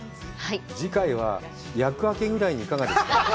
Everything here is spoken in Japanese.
次回は厄明けぐらいにいかがですか。